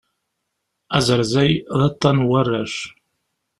Azerzay, d aṭṭan n warrac.